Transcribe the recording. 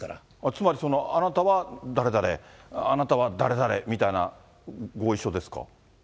つまり、あなたは誰々、あなたは誰々みたいな合意書ですか。